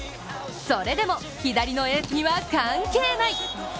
それでも、左のエースには関係ない！